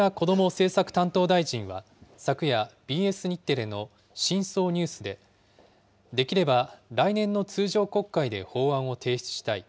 政策担当大臣は、昨夜、ＢＳ日テレの深層ＮＥＷＳで、できれば来年の通常国会で法案を提出したい。